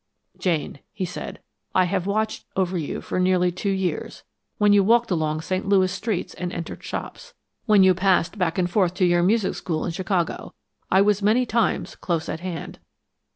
"Jane," he said, "I have watched over you for nearly two years. When you walked along St. Louis streets and entered shops; when you passed back and forth to your music school in Chicago; I was many times close at hand."